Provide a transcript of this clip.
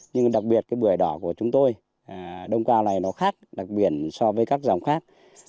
nhưng đặc biệt cái bưởi đỏ của chúng tôi đông cao này nó khác đặc biệt so với các dòng khác